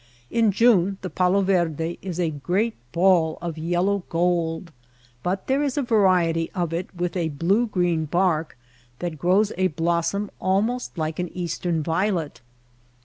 In June the palo verde is a great ball of yellow gold, but there is a variety of it with a blue green bark that grows a blossom almost like an CACTUS AND GREASEWOOD 147 eastern violet.